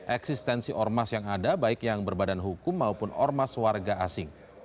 eksistensi ormas yang ada baik yang berbadan hukum maupun ormas warga asing